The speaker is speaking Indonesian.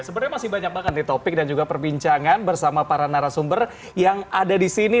sebenarnya masih banyak banget nih topik dan juga perbincangan bersama para narasumber yang ada di sini